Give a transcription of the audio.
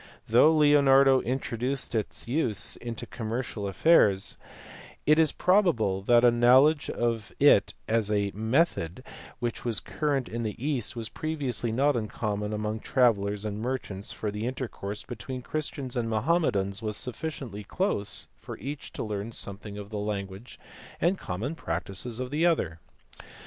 Though Leonardo introduced its use into commercial affairs, it is probable that a knowledge of it as a method which was current in the East was previously not uncommon among travellers and merchants, for the inter course between Christians and Mohammedans was sufficiently close for each to learn something of the language and common practices of the other.